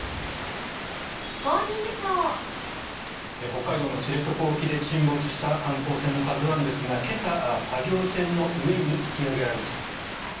北海道の知床沖で沈没した観光船の「ＫＡＺＵ１」ですが今朝、作業船の上に引き揚げられました。